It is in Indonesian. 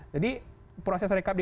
jadi proses rekap di